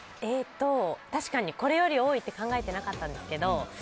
確かに、これより多いって考えてなかったんですけど。